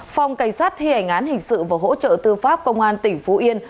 phòng cảnh sát thi hành án hình sự và hỗ trợ tư pháp công an tỉnh phú yên